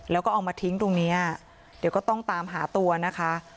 แล้วก็เอามาทิ้งตรงนี้เดี๋ยวก็ต้องตามหาตัวนะคะ